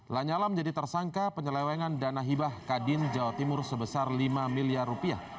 lanyala menjadi tersangka penyelewengan dana hibah kadin jawa timur sebesar lima miliar rupiah